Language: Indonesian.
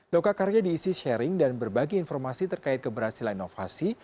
loka karya diisi sharing dan berbagi informasi terkait keberhasilan inovasi